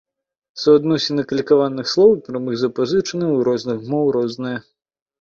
Суадносіны калькаваных слоў і прамых запазычанняў у розных моў рознае.